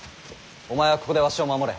お前はここでわしを守れ。